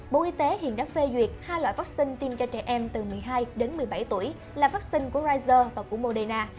bộ y tế hiện đã phê duyệt hai loại vaccine tiêm cho trẻ em từ một mươi hai đến một mươi bảy tuổi là vaccine của prizer và của moderna